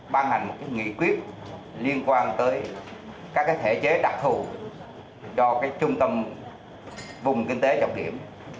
ban hành một nghị quyết liên quan tới các thể chế đặc thù cho trung tâm vùng kinh tế trọng điểm